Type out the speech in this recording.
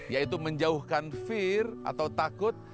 yaitu menjauhkan fear atau takut